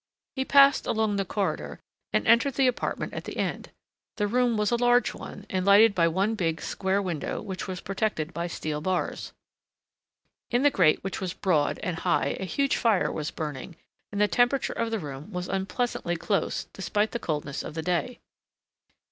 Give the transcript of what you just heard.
He passed along the corridor and entered the apartment at the end. The room was a large one and lighted by one big square window which was protected by steel bars. In the grate which was broad and high a huge fire was burning and the temperature of the room was unpleasantly close despite the coldness of the day.